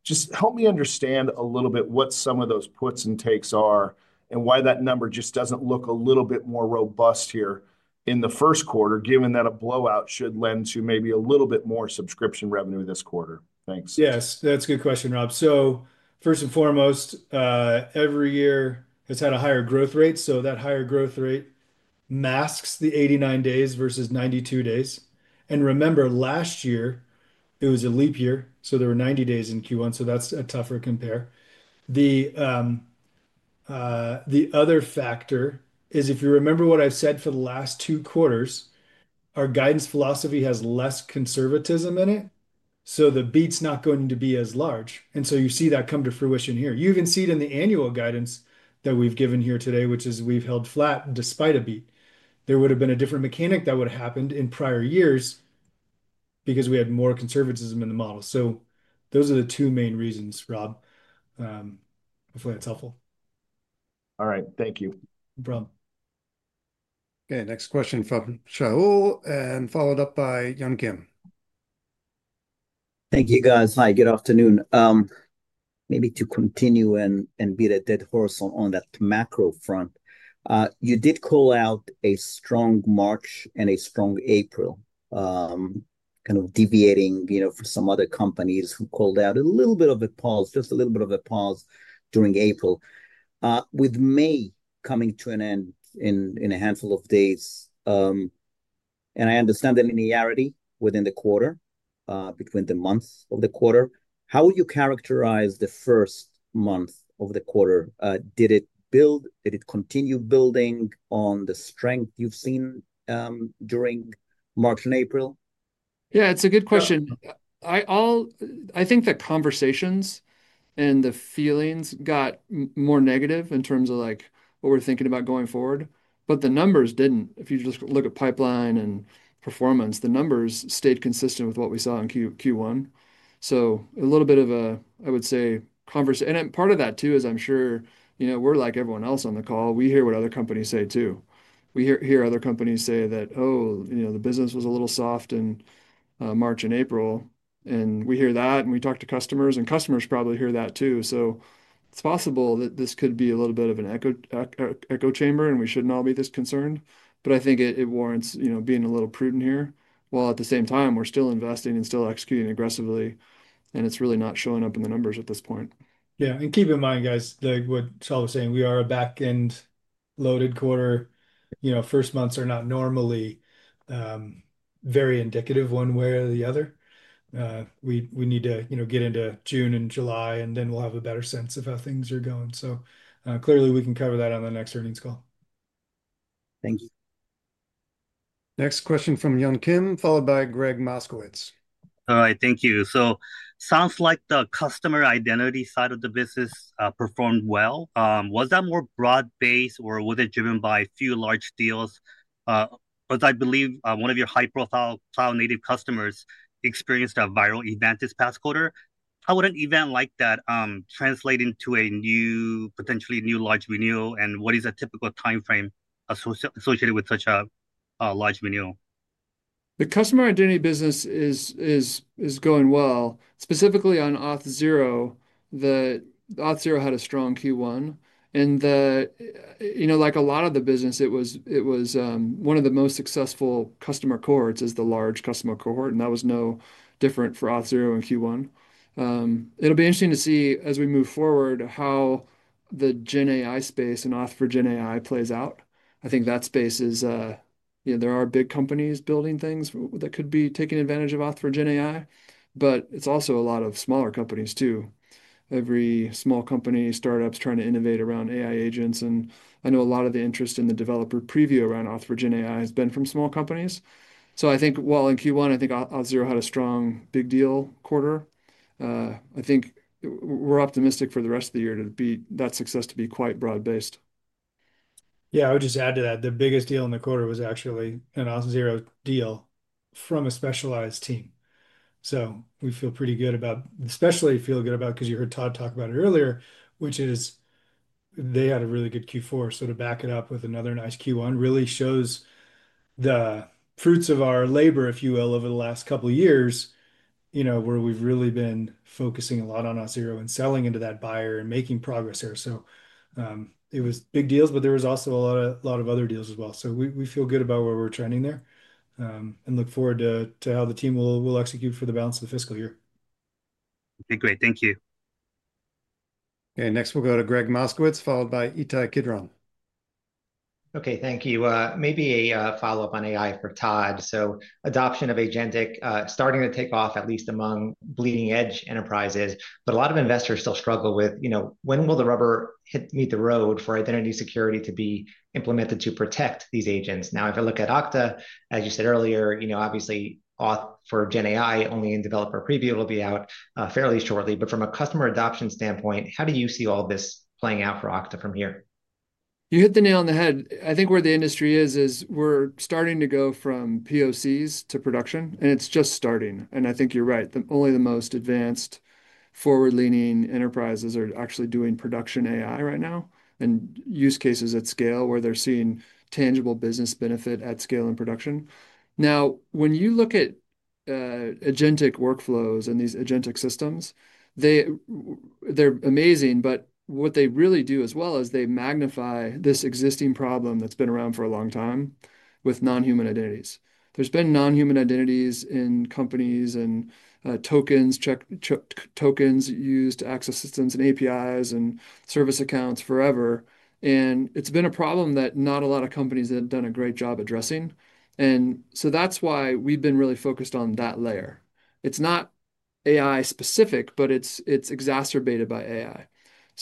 Just help me understand a little bit what some of those puts and takes are and why that number just doesn't look a little bit more robust here in the first quarter, given that a blowout should lend to maybe a little bit more subscription revenue this quarter. Thanks. Yes. That's a good question, Rob. First and foremost, every year has had a higher growth rate. That higher growth rate masks the 89 days versus 92 days. Remember, last year, it was a leap year. There were 90 days in Q1. That's a tougher compare. The other factor is if you remember what I've said for the last two quarters, our guidance philosophy has less conservatism in it. The beat's not going to be as large. You see that come to fruition here. You even see it in the annual guidance that we've given here today, which is we've held flat despite a beat. There would have been a different mechanic that would have happened in prior years because we had more conservatism in the model. Those are the two main reasons, Rob. Hopefully, that's helpful. All right. Thank you. No problem. Okay. Next question from Shaul and followed up by Yan Kim. Thank you, guys. Hi. Good afternoon. Maybe to continue and beat a dead horse on that macro front, you did call out a strong March and a strong April, kind of deviating for some other companies who called out a little bit of a pause, just a little bit of a pause during April, with May coming to an end in a handful of days. I understand the linearity within the quarter between the months of the quarter. How would you characterize the first month of the quarter? Did it build? Did it continue building on the strength you've seen during March and April? Yeah. It's a good question. I think the conversations and the feelings got more negative in terms of what we're thinking about going forward. The numbers did not. If you just look at pipeline and performance, the numbers stayed consistent with what we saw in Q1. A little bit of a, I would say, conversation. Part of that too is I'm sure we're like everyone else on the call. We hear what other companies say too. We hear other companies say that, "Oh, the business was a little soft in March and April." We hear that, and we talk to customers, and customers probably hear that too. It's possible that this could be a little bit of an echo chamber, and we should not all be this concerned. I think it warrants being a little prudent here, while at the same time, we're still investing and still executing aggressively. It's really not showing up in the numbers at this point. Yeah. Keep in mind, guys, like what Shaul was saying, we are a back-end loaded quarter. First months are not normally very indicative one way or the other. We need to get into June and July, and then we'll have a better sense of how things are going. Clearly, we can cover that on the next earnings call. Thank you. Next question from Yan Kim, followed by Gregg Moskowitz. All right. Thank you. So sounds like the customer identity side of the business performed well. Was that more broad-based, or was it driven by a few large deals? I believe one of your high-profile cloud-native customers experienced a viral event this past quarter. How would an event like that translate into a potentially new large renewal? What is a typical timeframe associated with such a large renewal? The customer identity business is going well. Specifically on Auth0, Auth0 had a strong Q1. Like a lot of the business, one of the most successful customer cohorts is the large customer cohort. That was no different for Auth0 in Q1. It will be interesting to see as we move forward how the GenAI space and Auth for GenAI plays out. I think that space is, there are big companies building things that could be taking advantage of Auth for GenAI. It is also a lot of smaller companies too. Every small company, startups trying to innovate around AI agents. I know a lot of the interest in the developer preview around Auth for GenAI has been from small companies. I think while in Q1, Auth0 had a strong big deal quarter. I think we're optimistic for the rest of the year that success to be quite broad-based. Yeah. I would just add to that. The biggest deal in the quarter was actually an Auth0 deal from a specialized team. We feel pretty good about, especially feel good about because you heard Todd talk about it earlier, which is they had a really good Q4. To back it up with another nice Q1 really shows the fruits of our labor, if you will, over the last couple of years where we've really been focusing a lot on Auth0 and selling into that buyer and making progress here. It was big deals, but there was also a lot of other deals as well. We feel good about where we're trending there and look forward to how the team will execute for the balance of the fiscal year. Okay. Great. Thank you. Okay. Next, we'll go to Gregg Moskowitz, followed by Itay Kidron. Okay. Thank you. Maybe a follow-up on AI for Todd. Adoption of agentic starting to take off at least among bleeding-edge enterprises. A lot of investors still struggle with when will the rubber meet the road for identity security to be implemented to protect these agents? If I look at Okta, as you said earlier, obviously, Auth for GenAI only in developer preview will be out fairly shortly. From a customer adoption standpoint, how do you see all this playing out for Okta from here? You hit the nail on the head. I think where the industry is, we're starting to go from POCs to production. It's just starting. I think you're right. Only the most advanced forward-leaning enterprises are actually doing production AI right now and use cases at scale where they're seeing tangible business benefit at scale in production. Now, when you look at agentic workflows and these agentic systems, they're amazing. What they really do as well is they magnify this existing problem that's been around for a long time with non-human identities. There have been non-human identities in companies and tokens, check tokens used to access systems and APIs and service accounts forever. It's been a problem that not a lot of companies have done a great job addressing. That's why we've been really focused on that layer. It's not AI-specific, but it's exacerbated by AI.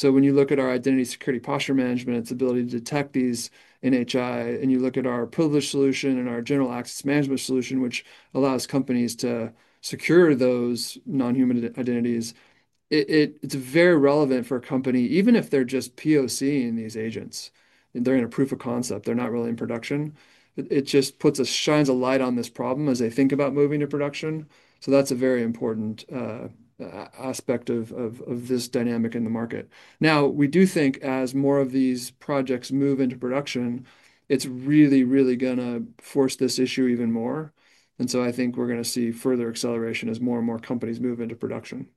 When you look at our Identity Security Posture Management, its ability to detect these NHI, and you look at our privilege solution and our general access management solution, which allows companies to secure those non-human identities, it is very relevant for a company, even if they are just POCing these agents. They are in a proof of concept. They are not really in production. It just shines a light on this problem as they think about moving to production. That is a very important aspect of this dynamic in the market. We do think as more of these projects move into production, it is really, really going to force this issue even more. I think we are going to see further acceleration as more and more companies move into production.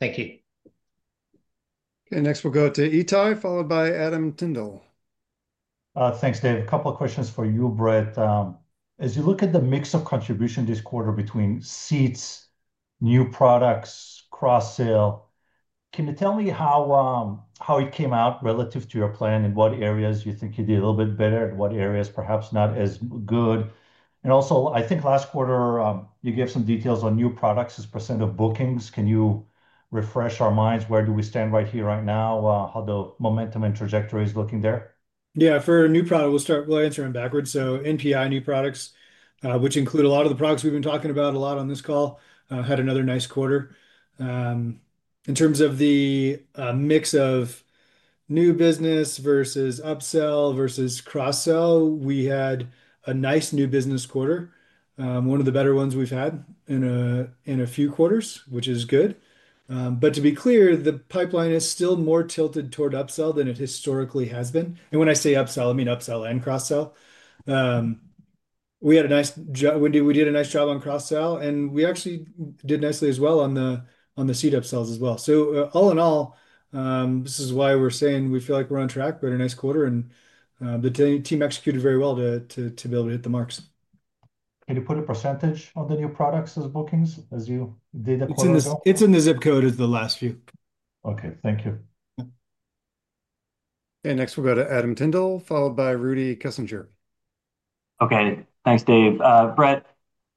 Thank you. Okay. Next, we'll go to Itay, followed by Adam Tindall. Thanks, Dave. A couple of questions for you, Brett. As you look at the mix of contribution this quarter between seats, new products, cross-sale, can you tell me how it came out relative to your plan and what areas you think you did a little bit better and what areas perhaps not as good? Also, I think last quarter, you gave some details on new products as % of bookings. Can you refresh our minds? Where do we stand right here, right now? How the momentum and trajectory is looking there? Yeah. For a new product, we'll start answering backwards. NPI new products, which include a lot of the products we've been talking about a lot on this call, had another nice quarter. In terms of the mix of new business versus upsell versus cross-sell, we had a nice new business quarter, one of the better ones we've had in a few quarters, which is good. To be clear, the pipeline is still more tilted toward upsell than it historically has been. When I say upsell, I mean upsell and cross-sell. We did a nice job on cross-sell. We actually did nicely as well on the seat upsells as well. All in all, this is why we're saying we feel like we're on track, but a nice quarter. The team executed very well to be able to hit the marks. Can you put a percentage on the new products as bookings as you did a quarter ago? It's in the zip code as the last few. Okay. Thank you. Okay. Next, we'll go to Adam Tindall, followed by Rudy Kuper. Okay. Thanks, Dave. Brett,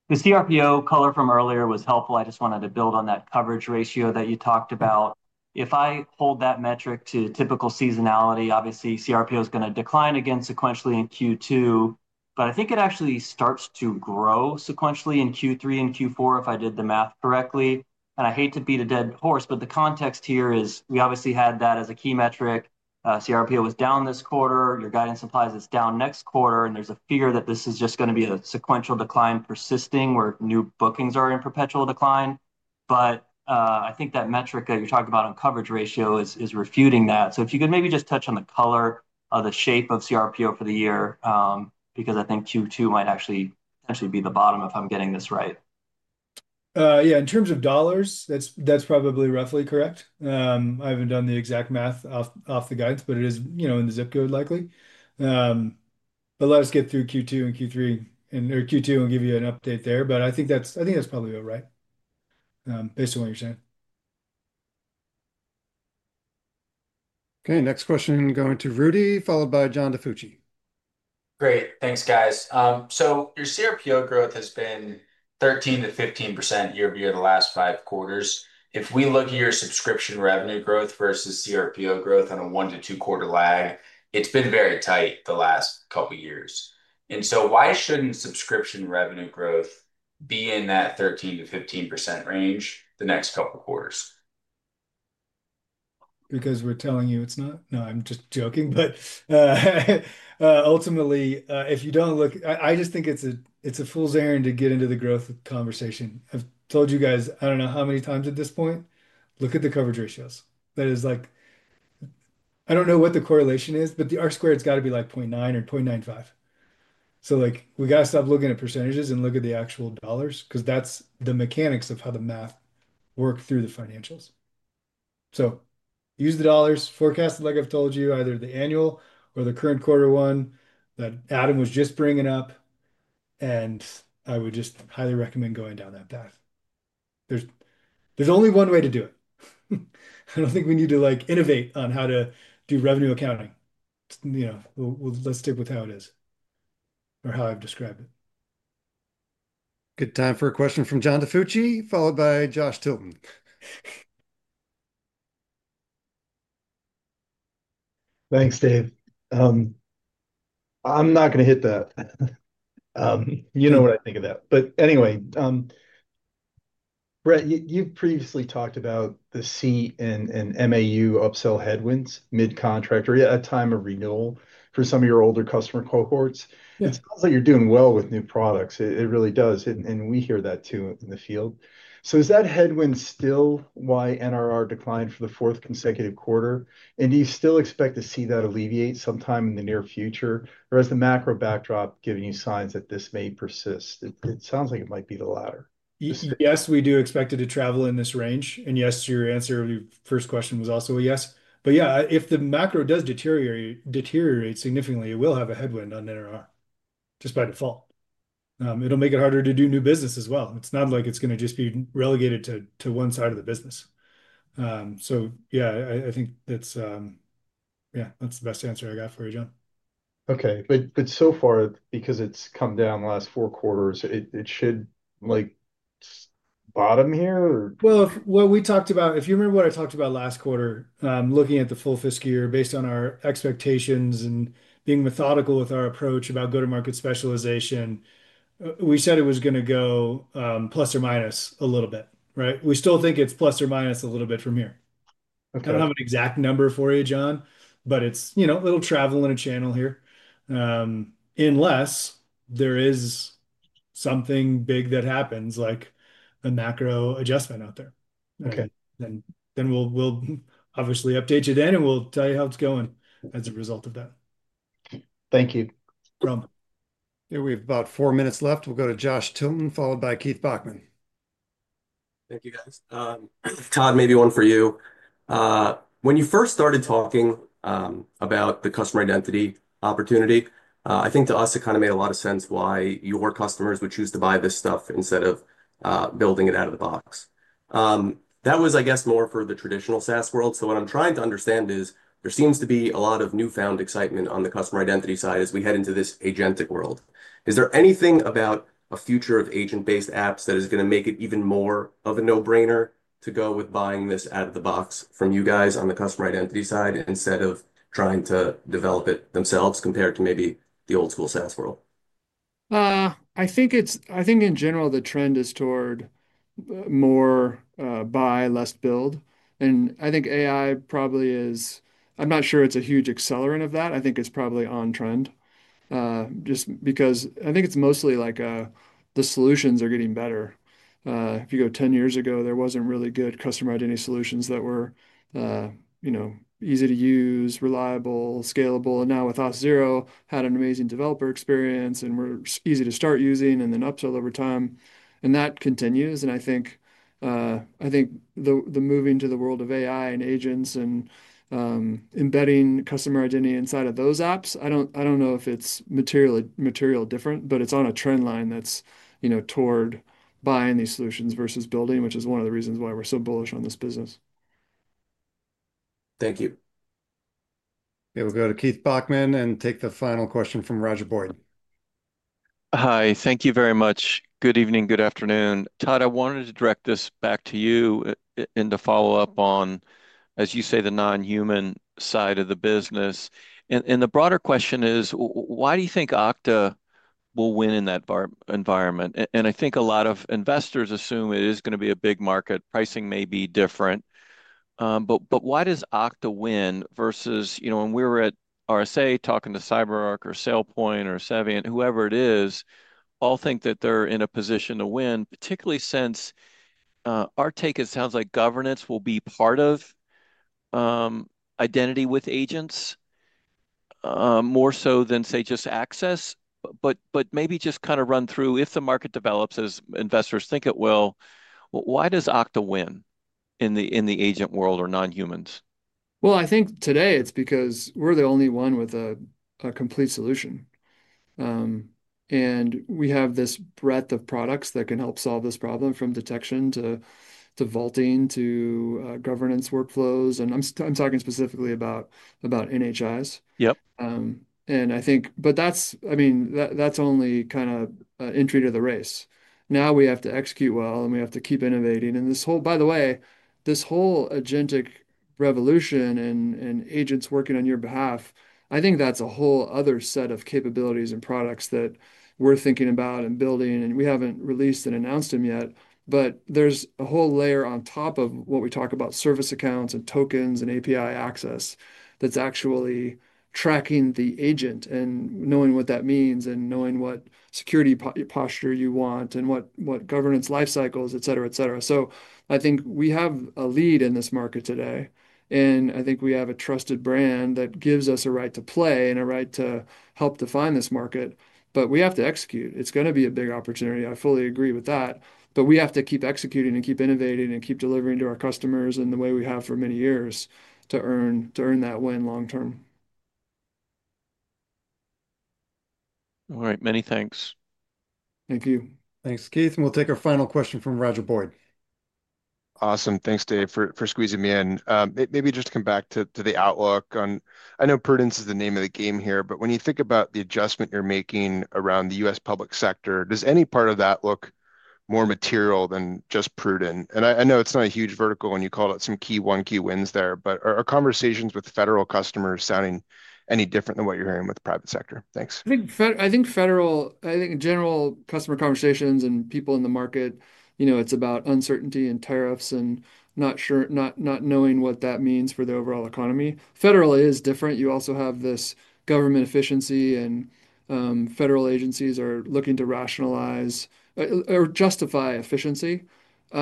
the cRPO color from earlier was helpful. I just wanted to build on that coverage ratio that you talked about. If I hold that metric to typical seasonality, obviously, cRPO is going to decline again sequentially in Q2. I think it actually starts to grow sequentially in Q3 and Q4 if I did the math correctly. I hate to beat a dead horse, but the context here is we obviously had that as a key metric. cRPO was down this quarter. Your guidance implies it's down next quarter. There is a fear that this is just going to be a sequential decline persisting where new bookings are in perpetual decline. I think that metric that you're talking about on coverage ratio is refuting that. If you could maybe just touch on the color of the shape of cRPO for the year because I think Q2 might actually potentially be the bottom if I'm getting this right. Yeah. In terms of dollars, that's probably roughly correct. I haven't done the exact math off the guidance, but it is in the zip code likely. Let us get through Q2 and Q3 and Q2 and give you an update there. I think that's probably all right based on what you're saying. Okay. Next question going to Rudy, followed by John Dafucci. Great. Thanks, guys. Your cRPO growth has been 13%-15% year-over-year the last five quarters. If we look at your subscription revenue growth versus cRPO growth on a one- to two-quarter lag, it has been very tight the last couple of years. Why should subscription revenue growth not be in that 13%-15% range the next couple of quarters? Because we're telling you it's not. No, I'm just joking. Ultimately, if you don't look, I just think it's a fool's errand to get into the growth conversation. I've told you guys, I don't know how many times at this point, look at the coverage ratios. That is like, I don't know what the correlation is, but the R-squared's got to be like 0.9 or 0.95. We got to stop looking at percentages and look at the actual dollars because that's the mechanics of how the math works through the financials. Use the dollars, forecast like I've told you, either the annual or the current quarter one that Adam was just bringing up. I would just highly recommend going down that path. There's only one way to do it. I don't think we need to innovate on how to do revenue accounting. Let's stick with how it is or how I've described it. Good time for a question from John Dafucci, followed by Josh Tilton. Thanks, Dave. I'm not going to hit that. You know what I think of that. But anyway, Brett, you've previously talked about the C and MAU upsell headwinds mid-contract or at a time of renewal for some of your older customer cohorts. It sounds like you're doing well with new products. It really does. And we hear that too in the field. Is that headwind still why NRR declined for the fourth consecutive quarter? Do you still expect to see that alleviate sometime in the near future? Or is the macro backdrop giving you signs that this may persist? It sounds like it might be the latter. Yes, we do expect it to travel in this range. Yes, your answer to your first question was also a yes. If the macro does deteriorate significantly, it will have a headwind on NRR just by default. It will make it harder to do new business as well. It is not like it is going to just be relegated to one side of the business. I think that is the best answer I got for you, John. Okay. Because it's come down the last four quarters, it should bottom here? What we talked about, if you remember what I talked about last quarter, looking at the full fiscal year based on our expectations and being methodical with our approach about go-to-market specialization, we said it was going to go plus or minus a little bit, right? We still think it's plus or minus a little bit from here. I don't have an exact number for you, John, but it's a little travel in a channel here unless there is something big that happens like a macro adjustment out there. We will obviously update you then, and we will tell you how it's going as a result of that. Thank you. Here we have about four minutes left. We'll go to Josh Tilton, followed by Keith Bachman. Thank you, guys. Todd, maybe one for you. When you first started talking about the customer identity opportunity, I think to us, it kind of made a lot of sense why your customers would choose to buy this stuff instead of building it out of the box. That was, I guess, more for the traditional SaaS world. What I'm trying to understand is there seems to be a lot of newfound excitement on the customer identity side as we head into this agentic world. Is there anything about a future of agent-based apps that is going to make it even more of a no-brainer to go with buying this out of the box from you guys on the customer identity side instead of trying to develop it themselves compared to maybe the old-school SaaS world? I think in general, the trend is toward more buy, less build. I think AI probably is, I'm not sure it's a huge accelerant of that. I think it's probably on trend just because I think it's mostly like the solutions are getting better. If you go 10 years ago, there were not really good customer identity solutions that were easy to use, reliable, scalable. Now with Auth0, we had an amazing developer experience, and we are easy to start using and then upsell over time. That continues. I think moving to the world of AI and agents and embedding customer identity inside of those apps, I do not know if it's materially different, but it's on a trend line that's toward buying these solutions versus building, which is one of the reasons why we are so bullish on this business. Thank you. Okay. We'll go to Keith Bachman and take the final question from Roger Boyd. Hi. Thank you very much. Good evening. Good afternoon. Todd, I wanted to direct this back to you in the follow-up on, as you say, the non-human side of the business. And the broader question is, why do you think Okta will win in that environment? I think a lot of investors assume it is going to be a big market. Pricing may be different. Why does Okta win versus when we were at RSA talking to CyberArk or SailPoint or Saviynt, whoever it is, all think that they're in a position to win, particularly since our take, it sounds like governance will be part of identity with agents more so than, say, just access. Maybe just kind of run through if the market develops, as investors think it will, why does Okta win in the agent world or non-humans? I think today it's because we're the only one with a complete solution. We have this breadth of products that can help solve this problem from detection to vaulting to governance workflows. I'm talking specifically about NHIs. Yup. I mean, that's only kind of entry to the race. Now we have to execute well, and we have to keep innovating. By the way, this whole agentic revolution and agents working on your behalf, I think that's a whole other set of capabilities and products that we're thinking about and building. We haven't released and announced them yet. There's a whole layer on top of what we talk about: service accounts and tokens and API access that's actually tracking the agent and knowing what that means and knowing what security posture you want and what governance life cycles, etc., etc. I think we have a lead in this market today. I think we have a trusted brand that gives us a right to play and a right to help define this market. We have to execute. It's going to be a big opportunity. I fully agree with that. We have to keep executing and keep innovating and keep delivering to our customers in the way we have for many years to earn that win long-term. All right. Many thanks. Thank you. Thanks, Keith. We'll take our final question from Roger Boyd. Awesome. Thanks, Dave, for squeezing me in. Maybe just to come back to the outlook on I know Prudence is the name of the game here, but when you think about the adjustment you're making around the U.S. public sector, does any part of that look more material than just Prudence? I know it's not a huge vertical, and you called out some key one-key wins there, but are conversations with federal customers sounding any different than what you're hearing with the private sector? Thanks. I think federal, I think in general, customer conversations and people in the market, it's about uncertainty and tariffs and not knowing what that means for the overall economy. Federal is different. You also have this government efficiency, and federal agencies are looking to rationalize or justify efficiency. I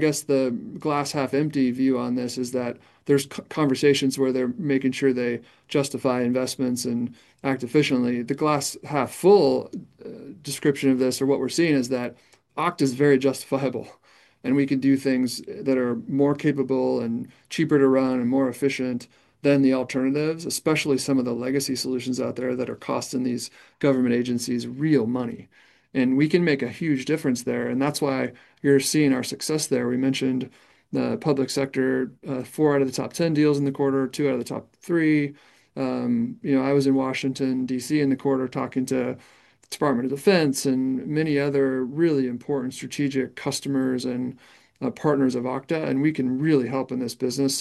guess the glass-half-empty view on this is that there's conversations where they're making sure they justify investments and act efficiently. The glass-half-full description of this or what we're seeing is that Okta is very justifiable, and we can do things that are more capable and cheaper to run and more efficient than the alternatives, especially some of the legacy solutions out there that are costing these government agencies real money. We can make a huge difference there. That's why you're seeing our success there. We mentioned the public sector, four out of the top 10 deals in the quarter, two out of the top three. I was in Washington, D.C. in the quarter talking to the Department of Defense and many other really important strategic customers and partners of Okta. We can really help in this business.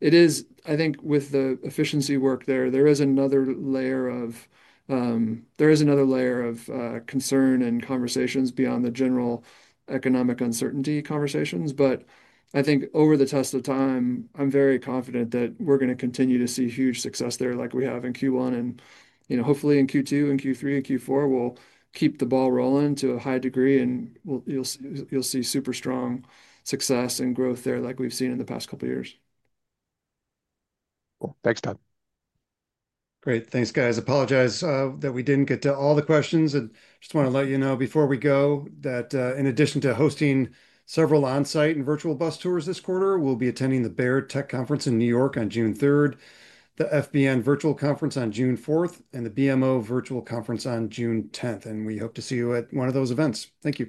It is, I think, with the efficiency work there, there is another layer of concern and conversations beyond the general economic uncertainty conversations. I think over the test of time, I'm very confident that we're going to continue to see huge success there like we have in Q1. Hopefully in Q2 and Q3 and Q4, we'll keep the ball rolling to a high degree, and you'll see super strong success and growth there like we've seen in the past couple of years. Thanks, Todd. Great. Thanks, guys. Apologize that we didn't get to all the questions. Just want to let you know before we go that in addition to hosting several on-site and virtual bus tours this quarter, we'll be attending the Baird Tech Conference in New York on June 3rd, the FBN Virtual Conference on June 4th, and the BMO Virtual Conference on June 10th. We hope to see you at one of those events. Thank you.